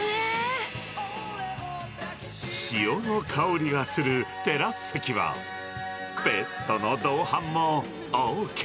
潮の香りがするテラス席は、ペットの同伴もＯＫ。